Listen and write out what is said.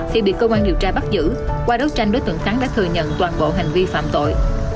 thì bị công an điều tra bắt giữ qua đấu tranh đối tượng thắng đã thừa nhận toàn bộ hành vi phạm tội